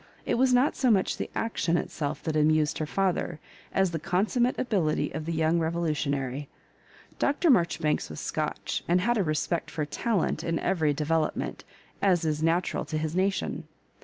It was not so much the action itself that amused her father, as the consummate ability of the young revolutionary. Dr. Maijoribanks was Scotch, and had a respect for talent" in every development, as is natural to his nation.